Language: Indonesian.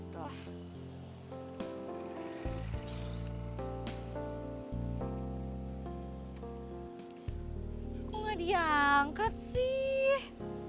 kok gak diangkat sih